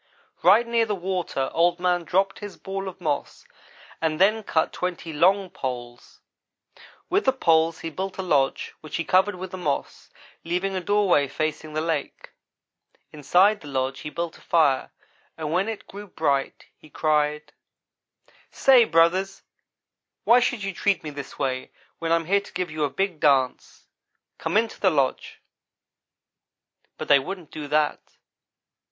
"Right near the water Old man dropped his ball of moss and then cut twenty long poles. With the poles he built a lodge which he covered with the moss, leaving a doorway facing the lake. Inside the lodge he built a fire and when it grew bright he cried: "'Say, brothers, why should you treat me this way when I am here to give you a big dance? Come into the lodge,' but they wouldn't do that.